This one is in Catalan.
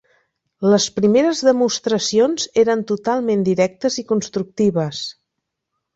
Les primeres demostracions eren totalment directes i constructives.